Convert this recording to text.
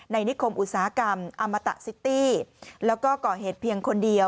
นิคมอุตสาหกรรมอมตะซิตี้แล้วก็ก่อเหตุเพียงคนเดียว